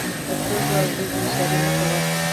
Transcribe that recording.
په سترګو او وريځو اشارې مه کوئ!